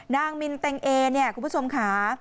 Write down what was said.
นางมินเต็งเอคุณผู้ชมค่ะ